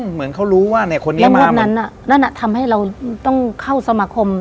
เหมือนเขารู้ว่าในคนนี้แล้วรูปนั้นน่ะนั่นอ่ะทำให้เราต้องเข้าสมาคม